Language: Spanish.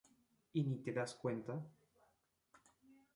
y ni te das cuenta